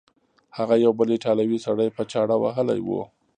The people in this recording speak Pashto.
هغه یو بل ایټالوی سړی په چاړه وهلی و.